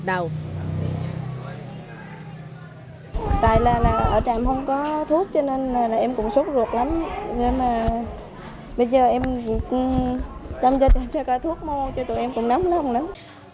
tại là ở trạm không có thuốc cho nên là em cũng sốt ruột lắm bây giờ em chăm cho trạm ra ca thuốc mua cho tụi em cũng nóng nóng lắm